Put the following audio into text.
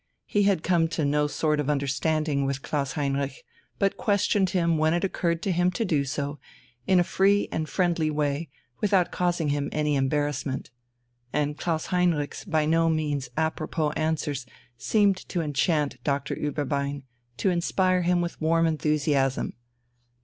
He had come to no sort of understanding with Klaus Heinrich, but questioned him when it occurred to him to do so, in a free and friendly way without causing him any embarrassment. And Klaus Heinrich's by no means apropos answers seemed to enchant Doctor Ueberbein, to inspire him with warm enthusiasm.